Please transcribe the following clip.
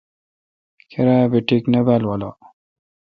کیرا بی ٹک نہ بال والہ۔